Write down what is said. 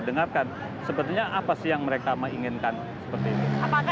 dengarkan sebetulnya apa sih yang mereka menginginkan seperti ini